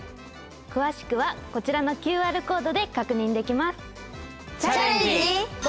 詳しくはこちらのＱＲコードで確認できます。